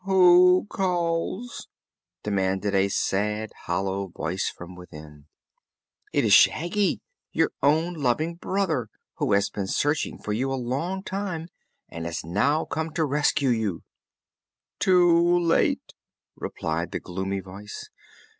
"Who calls," demanded a sad, hollow voice from within. "It is Shaggy your own loving brother who has been searching for you a long time and has now come to rescue you." "Too late!" replied the gloomy voice.